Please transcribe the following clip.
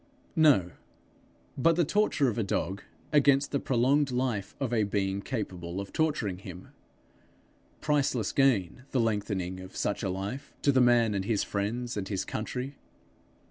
No, but the torture of a dog against the prolonged life of a being capable of torturing him. Priceless gain, the lengthening of such a life, to the man and his friends and his country!